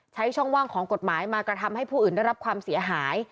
ช่องว่างของกฎหมายมากระทำให้ผู้อื่นได้รับความเสียหาย